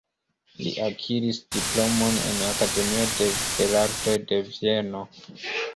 Li akiris diplomon en Akademio de Belartoj de Vieno.